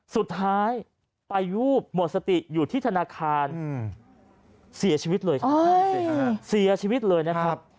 สุดท้ายปาวูบหมดสติอยู่ที่ธนาคารเสียชีวิตเลยครับเสียชีวิตเลยนะครับ